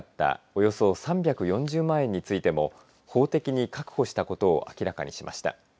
およそ３４０万円についても法的に確保したことを明らかにしました。